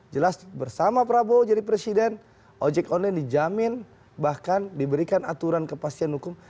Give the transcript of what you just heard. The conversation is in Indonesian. jelas bersama prabowo jadi presiden ojek online dijamin bahkan diberikan aturan kepastian hukum